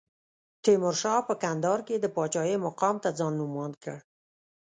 تیمورشاه په کندهار کې د پاچاهۍ مقام ته ځان نوماند کړ.